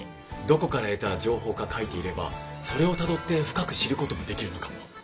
どこから得た情報か書いていればそれをたどって深く知ることもできるのかも。